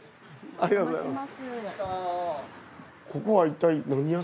ありがとうございます。